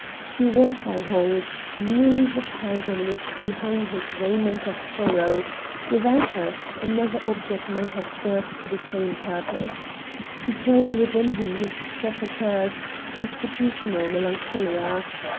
She was, I hold, merely the peg on which he hung his raiment of sorrow; without her, another object might have served the same purpose. He carried within him his proper curse, constitutional melancholia.